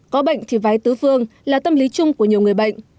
có bệnh thì vái tứ phương là tâm lý chung của nhiều người bệnh